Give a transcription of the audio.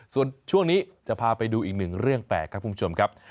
ส่วนช่วงนี้จะพาไปดูอีกหนึ่งเรื่องแปลกครับคุณผู้ชมครับ